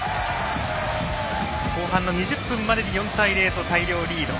後半の２０分までに４対０と大量リード。